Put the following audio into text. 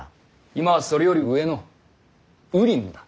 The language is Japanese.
今はそれより上の羽林だ。